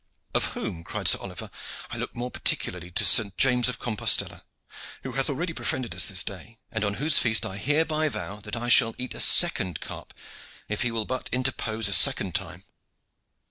"Of whom," cried Sir Oliver, "I look more particularly to St. James of Compostella, who hath already befriended us this day, and on whose feast I hereby vow that I shall eat a second carp, if he will but interpose a second time."